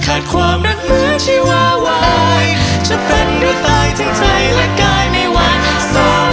ความรักเหมือนชีวาวายจะเป็นหรือตายทั้งใจและกายในวันสอง